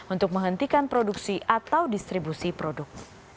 untuk menghentikan produksi atau distribusi produk